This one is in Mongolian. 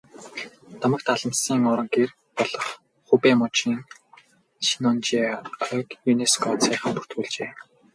Домогт алмасны орон гэр болох Хубэй мужийн Шеннонжиа ойг ЮНЕСКО-д саяхан бүртгүүлжээ.